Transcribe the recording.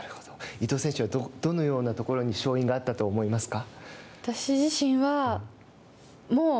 伊藤選手は、どのようなところに勝因があったと思いますか。